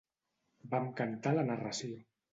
Vam cantar la narració.